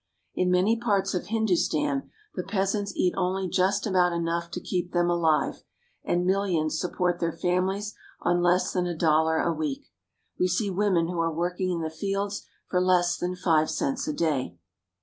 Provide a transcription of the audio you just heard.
In many parts of Hindustan the peasants eat only just about enough to keep them alive, and mil lions support their families on less than a dollar a week. We see women who are work ing in the fields for less than five cents a day.